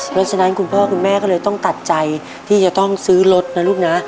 เพราะฉะนั้นคุณพ่อคุณแม่ก็เลยต้องตัดใจที่จะต้องซื้อรถนะลูกนะ